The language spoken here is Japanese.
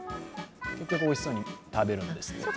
結局おいしそうに食べるんですね。